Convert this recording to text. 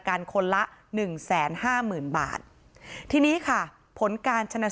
ช่วงของการชาปนาคิดศพนี่ครับทุกผู้ชมครับ